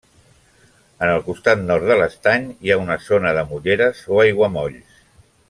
En el costat nord de l'estany hi ha una zona de molleres, o aiguamolls.